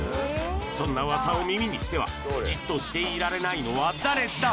そんな噂を耳にしてはじっとしていられないのは誰だ！